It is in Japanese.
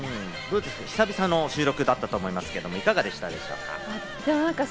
久々の収録だったと思いますけど、いかがでしたか？